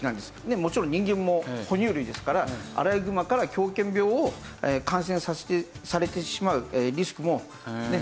もちろん人間も哺乳類ですからアライグマから狂犬病を感染されてしまうリスクもねっ？